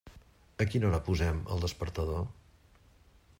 A quina hora posem el despertador?